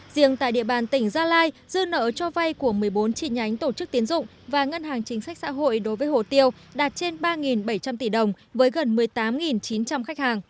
riêng tại địa bàn tỉnh gia lai dư nợ cho vay của một mươi bốn trị nhánh tổ chức tiến dụng và ngân hàng chính sách xã hội đối với hồ tiêu đạt trên ba bảy trăm linh tỷ đồng với gần một mươi tám chín trăm linh khách hàng